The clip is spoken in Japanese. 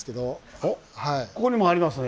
おっここにもありますね。